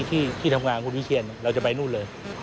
ที่ทำงานคุณวิเชียนเราจะไปนู่นเลย